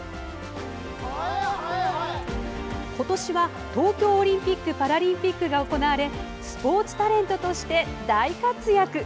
今年は東京オリンピック・パラリンピックが行われスポーツタレントとして大活躍。